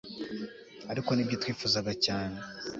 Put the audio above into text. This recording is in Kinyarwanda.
ariko nibyo twifuzaga cyane